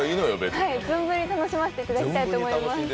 はい、存分に楽しませていただきたいと思います。